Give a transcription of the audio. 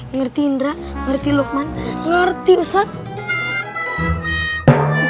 ngerti indra ngerti lukman ngerti ustadz